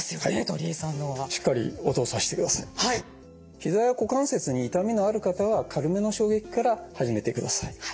ひざや股関節に痛みのある方は軽めの衝撃から始めてください。